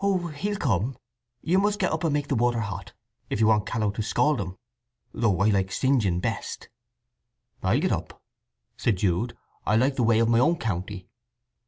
"Oh, he'll come. You must get up and make the water hot, if you want Challow to scald him. Though I like singeing best." "I'll get up," said Jude. "I like the way of my own county."